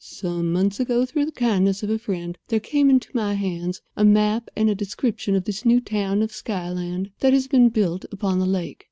Some months ago, through the kindness of a friend, there came into my hands a map and description of this new town of Skyland that has been built upon the lake.